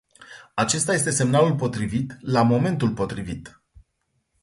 Acesta este semnalul potrivit la momentul potrivit.